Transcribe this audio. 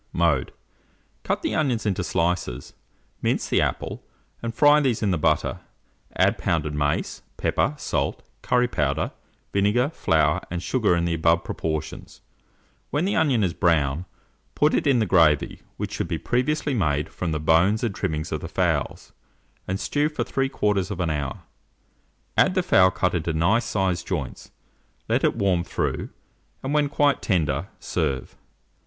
Mode. Cut the onions into slices, mince the apple, and fry these in the butter; add pounded mace, pepper, salt, curry powder, vinegar, flour, and sugar in the above proportions; when the onion is brown, put it the gravy, which should be previously made from the bones and trimmings of the fowls, and stew for 3/4 hour; add the fowl cut into nice sized joints, let it warm through, and when quite tender, serve.